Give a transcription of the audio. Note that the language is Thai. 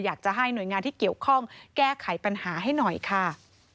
อยากจะให้หน่วยงานที่เกี่ยวข้องแก้ไขปัญหาให้หน่อยค่ะ